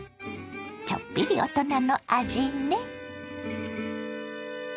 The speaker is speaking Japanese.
ちょっぴり大人の味ね。